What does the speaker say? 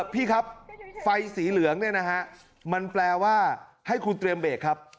พี่ครับไฟสีเหลืองเนี่ยนะฮะมันแปลว่าให้คุณเตรียมเบรกครับ